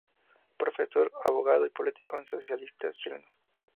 Profesor, abogado y político socialista chileno.